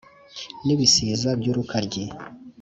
n’ibisiza by’urukaryi